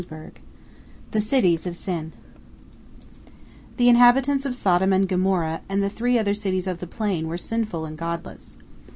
THE CITIES OF SIN The inhabitants of Sodom and Gomorrah and the three other cities of the plain were sinful and godless.